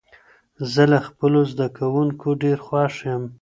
زه له خپلو زده کوونکو ډېر خوښ يم.